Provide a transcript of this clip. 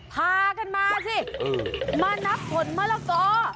พากันมาสิมานับผลมะละกอ